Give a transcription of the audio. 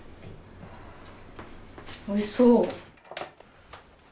おいしそう！